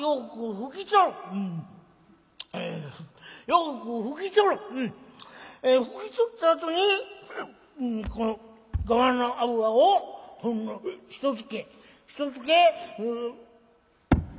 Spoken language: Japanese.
拭き取ったあとにこのがまの油をほんのひとつけひとつけ」。